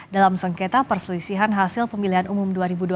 dalam sengketa perselisihan hasil pemilihan umum dua ribu dua puluh